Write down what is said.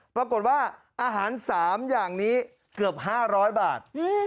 ปรากฏว่าอาหาร๓อย่างนี้เกือบ๕๐๐บาท